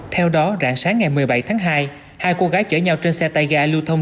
theo đó rạng sáng ngày một mươi bảy tháng hai hai cô gái chở nhau trên xe tay ga lưu thông